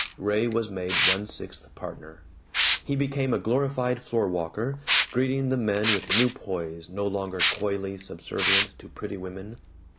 Ray was made a one sixth partner. He became a glorified floor walker, greeting the men with new poise, no longer coyly subservient to pretty women.